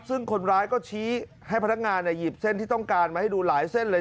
ซึ่งคนร้ายก็ชี้ให้พนักงานหยิบเส้นที่ต้องการมาให้ดูหลายเส้นเลย